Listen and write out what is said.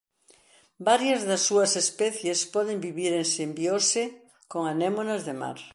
Varias das súas especies poden vivir en simbiose con anemones de mar.